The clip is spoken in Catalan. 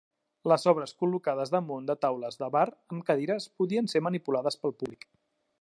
Les obres, col·locades damunt de taules de bar amb cadires, podien ser manipulades pel públic.